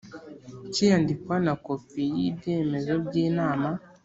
cy iyandikwa na kopi y ibyemezo by inama